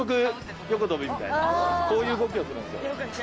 みたいなこういう動きをするんですよ。